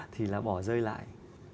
thì là bỏ rơi lại